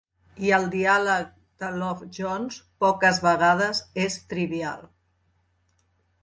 I el diàleg de "Love Jones" poques vegades és trivial.